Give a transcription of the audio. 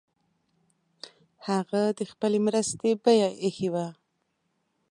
هغه د خپلي مرستي بیه ایښې وه.